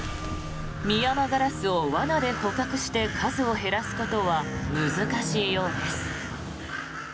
ミヤマガラスを罠で捕獲して数を減らすことは難しいようです。